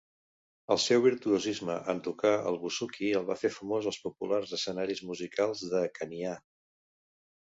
El seu virtuosisme en tocar el busuqui el va fer famós als populars escenaris musicals de Khanià.